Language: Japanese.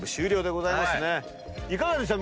いかがでした？